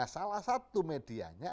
salah satu medianya